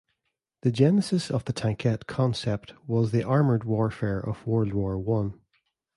The genesis of the tankette concept was the armoured warfare of World War One.